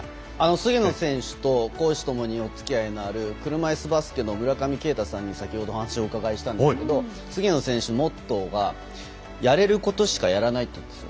菅野選手と公私共におつきあいのある車いすバスケの村上けいたさんに先ほどお話をお伺いしたんですけど菅野選手はモットーがやれることしかやらないというんですよ。